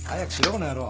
この野郎。